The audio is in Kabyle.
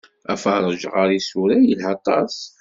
Afeṛṛeǧ ɣer isura yelha aṭas.